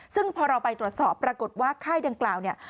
ซึ่งพอเราไปตรวจสอบปรากฏว่าค่ายดังกล่าวเนี่ย